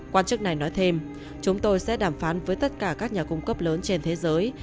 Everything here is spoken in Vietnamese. quan chức này nói thêm chúng tôi sẽ đàm phán với tất cả các nhà cung cấp lớn trên thế giới